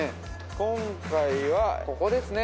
今回はここですね